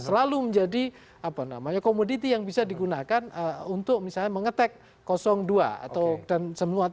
selalu menjadi apa namanya komoditi yang bisa digunakan untuk misalnya mengetek dua atau dan semua